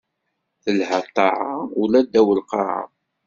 Telha ṭṭaɛa, ula ddaw lqaɛa.